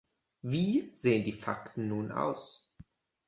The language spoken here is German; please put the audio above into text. Wie sehen die Fakten nun aus?